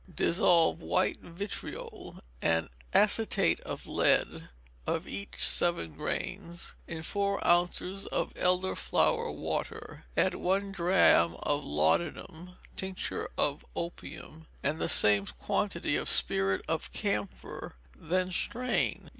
Dissolve white vitriol and acetate of lead, of each seven grains, in four ounces of elder flower water; add one drachm of laudanum (tincture of opium), and the same quantity of spirit of camphor, then strain.